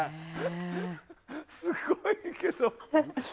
すごいけど。